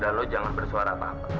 dan lu jangan bersuara apa apa